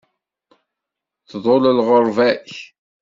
Tḍul lɣerba-k.